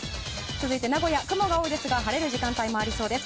続いて名古屋、雲が多いですが晴れる時間帯もありそうです。